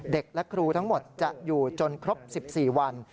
เด็กและครูทั้งหมดจะอยู่จนครบ๑๔วัน